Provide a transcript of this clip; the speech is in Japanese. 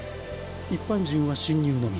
一般人は侵入のみ。